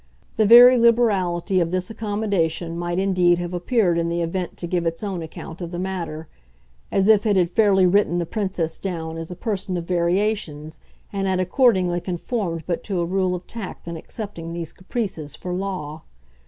The very liberality of this accommodation might indeed have appeared in the event to give its own account of the matter as if it had fairly written the Princess down as a person of variations and had accordingly conformed but to a rule of tact in accepting these caprices for law.